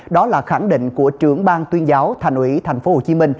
đó là khẳng định của trưởng ban tuyên giáo thành ủy tp hcm